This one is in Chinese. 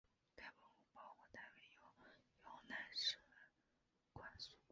该文物保护单位由洮南市文管所管理。